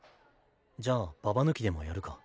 じゃあババ抜きでもやるか。